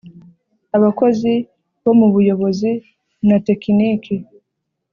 Abakozi bo mu buyobozi na tekiniki